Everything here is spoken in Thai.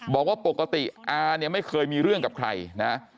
บอกว่าปกติอาเนี่ยไม่เคยมีเรื่องกับใครนะ